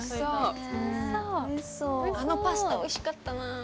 あのパスタおいしかったな。